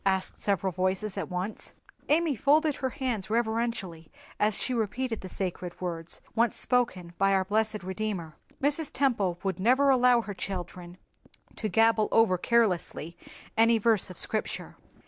asked several voices at once. Amy folded her hands reverentially as she repeated the sacred words once spoken by our blessed Redeemer. Mrs. Temple would never allow her children to gabble over carelessly any verse of Scripture.